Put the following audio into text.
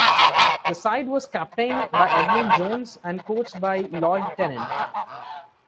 The side was captained by Evelyn Jones and coached by Lloyd Tennant.